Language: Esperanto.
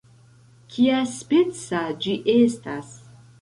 "Kiaspeca ĝi estas?"